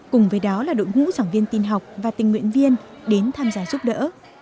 cùng với đó là đội ngũ giảng viên tin học và tình nguyện viên đến tham gia giúp đỡ